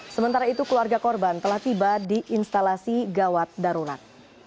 sementara itu keluarga korban telah tiba di instalasi gawat darurat